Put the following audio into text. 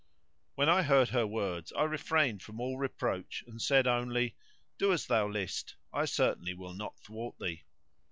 When I heard her words I refrained from all reproach and said only:—Do as thou list; I certainly will not thwart thee.